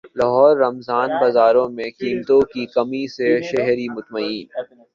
لاہور رمضان بازاروں میں قیمتوں کی کمی سے شہری مطمئین